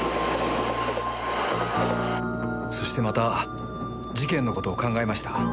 そしてまた事件の事を考えました。